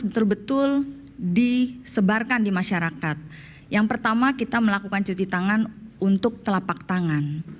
betul betul disebarkan di masyarakat yang pertama kita melakukan cuci tangan untuk telapak tangan